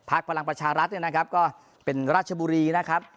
พลังประชารัฐเนี่ยนะครับก็เป็นราชบุรีนะครับ